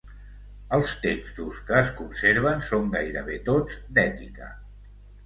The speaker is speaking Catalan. Els textos que es conserven són gairebé tots d'ètica.